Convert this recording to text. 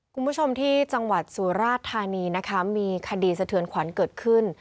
คุณผู้ชมที่จังหวัดสุราชธานีนะคะมีคดีสะเทือนขวัญเกิดขึ้น